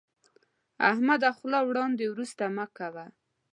احمده، خوله وړاندې ورسته مه کوه.